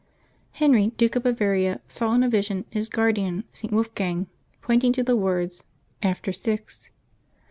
nENKT, Duke of Bavaria, saw in a vision his guardian, St. "Wolfgang, pointing to the words " after six."